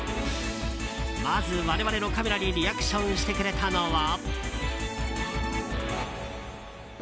まず我々のカメラにリアクションしてくれたのは。